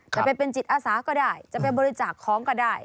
จะไปเป็นจิตอาสาก็ได้จะไปบริจาคของก็ได้